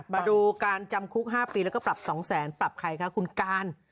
มาดูการจำคุก๕ปีแล้วก็ปรับ๒แสนปรับใครคะคุณการ